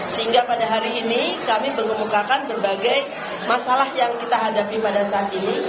sehingga pada hari ini kami mengemukakan berbagai masalah yang kita hadapi pada saat ini